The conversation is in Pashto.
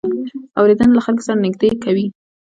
اورېدنه له خلکو سره نږدې کوي.